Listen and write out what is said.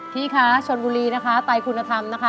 พี่คะชนบุรีนะคะไตคุณธรรมนะคะ